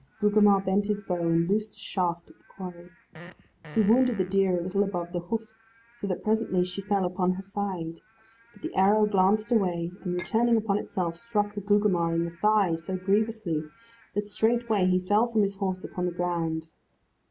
Gugemar bent his bow, and loosed a shaft at the quarry. He wounded the deer a little above the hoof, so that presently she fell upon her side. But the arrow glanced away, and returning upon itself, struck Gugemar in the thigh, so grievously, that straightway he fell from his horse upon the ground.